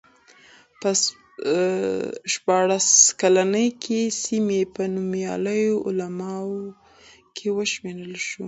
په شپاړس کلنۍ کې د سیمې په نومیالیو عالمانو کې وشمېرل شو.